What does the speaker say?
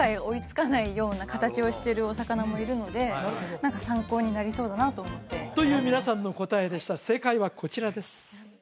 追いつかないような形をしてるお魚もいるので何か参考になりそうだなと思ってという皆さんの答えでした正解はこちらです